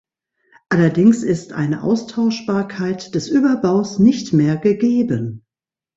Allerdings ist eine Austauschbarkeit des Überbaus nicht mehr gegeben.